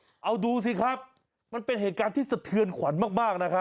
เอาดูสิครับมันเป็นเหตุการณ์ที่สะเทือนขวัญมากมากนะครับ